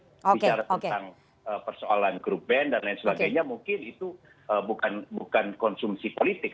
bicara tentang persoalan grup band dan lain sebagainya mungkin itu bukan konsumsi politik